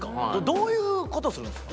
どういう事をするんですか？